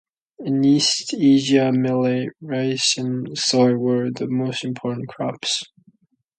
In East Asia millet, rice, and soy were the most important crops.